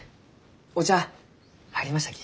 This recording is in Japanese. お茶入りましたき。